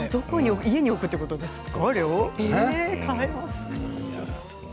家に置くということですか？